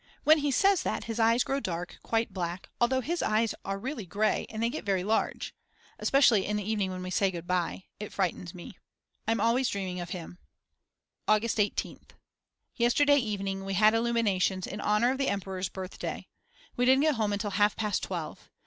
When he says that his eyes grow dark, quite black, although his eyes are really grey and they get very large. Especially in the evening when we say goodbye, it frightens me. I'm always dreaming of him. August 18th. Yesterday evening we had illuminations in honour of the emperor's birthday. We didn't get home until half past twelve.